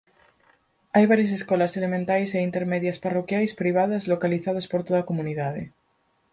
Hai varias escolas elementais e intermedias parroquiais privadas localizadas por toda a comunidade.